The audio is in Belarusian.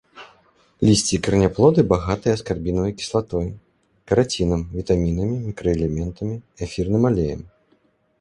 Лісце і караняплоды багатыя аскарбінавай кіслатой, карацінам, вітамінамі, мікраэлементамі, эфірным алеем.